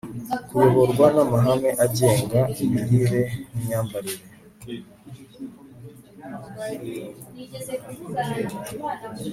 kuyoborwa namahame agenga imirire nimyambarire